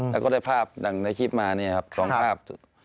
แล้วก็ได้ภาพตอนหน้าคลิปมา๒ภาพ